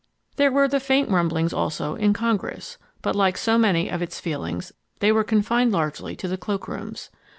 There were faint rumblings also in Congress, but like so many of its feelings they were confined largely to the cloak rooms.